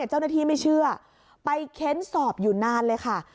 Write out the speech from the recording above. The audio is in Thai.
เจ้าหน้าที่ไม่เชื่อไปเค้นสอบอยู่นานเลยค่ะ